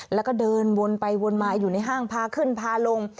แล้วก็เดินวนไปวนมาอยู่ในห้างพาขึ้นพาลง